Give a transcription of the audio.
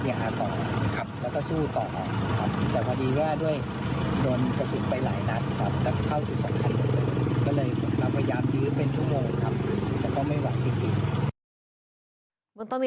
ผมยังอยากรู้ว่าว่ามันไล่ยิงคนทำไมวะ